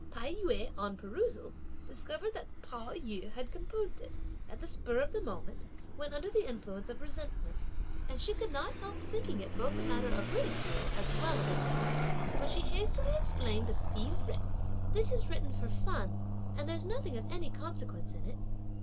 Tai yü, on perusal, discovered that Pao yü had composed it, at the spur of the moment, when under the influence of resentment; and she could not help thinking it both a matter of ridicule as well as of regret; but she hastily explained to Hsi Jen: "This is written for fun, and there's nothing of any consequence in it!"